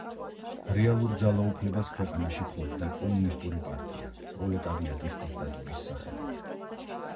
რეალურ ძალაუფლებას ქვეყანაში ფლობდა კომუნისტური პარტია, პროლეტარიატის დიქტატურის სახელით.